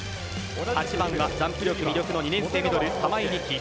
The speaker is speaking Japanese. ８番がジャンプ力魅力の２年生ミドル・玉井利来。